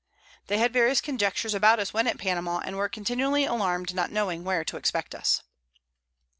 They had various Conjectures about us when at Panama, and were continually allarm'd, not knowing where to expect us.